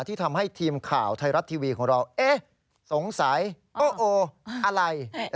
ที่ทำให้ทีมข่าวไทยรัฐทีวีของเราเอ๊ะสงสัยโออะไร